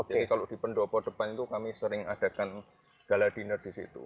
jadi kalau di pendopo depan itu kami sering adakan gala dinner di situ